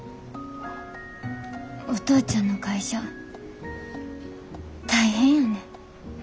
お父ちゃんの会社大変やねん。